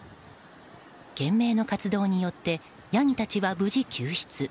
懸命の活動によってヤギたちは無事救出。